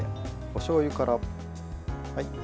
おしょうゆから。